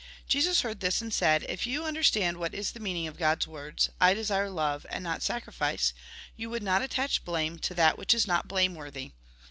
Jesus heard this, and said :" If you understand what is the meaning of God's words, ' I desire love, and not sacrifice,' you would not attach blame to that which is not blameworthy.